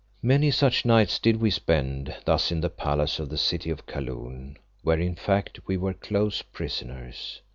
Many such nights did we spend thus in the palace of the city of Kaloon where, in fact, we were close prisoners.